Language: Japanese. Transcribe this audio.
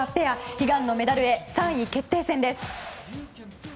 悲願のメダルへ３位決定戦です。